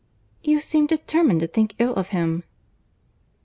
"You seem determined to think ill of him."